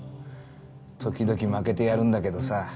時々負けてやるんだけどさ